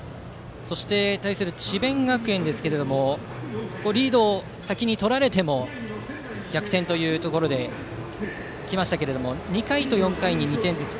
対する智弁学園ですがリードを先にとられても逆転というところで来ましたが２回と４回に２点ずつ。